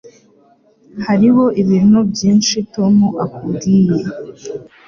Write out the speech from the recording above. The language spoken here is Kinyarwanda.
Hariho ibintu byinshi Tom atakubwiye.